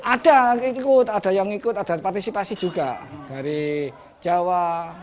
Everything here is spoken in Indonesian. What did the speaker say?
ada yang ikut ada yang ikut ada partisipasi juga dari jawa